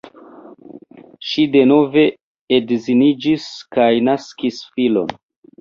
Ŝi denove edziniĝis kaj naskis filon.